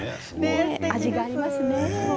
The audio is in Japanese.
味がありますね。